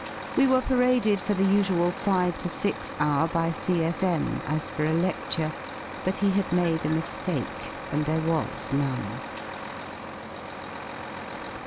We were paraded for the usual five to six hour by C.S.M. as for a ledure, but he had made a miAake, and there was none.